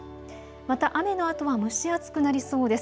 また雨のあとは蒸し暑くなりそうです。